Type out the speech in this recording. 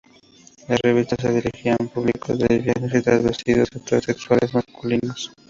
La revista se dirigía a un público de lesbianas y travestidos heterosexuales masculinos.